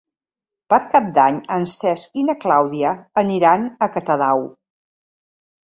Per Cap d'Any en Cesc i na Clàudia aniran a Catadau.